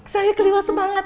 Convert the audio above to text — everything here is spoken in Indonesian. saya kelihatan semangat